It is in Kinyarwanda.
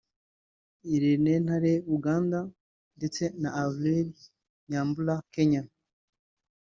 Irene Ntale(Uganda) ndetse na Avril Nyambura(Kenya)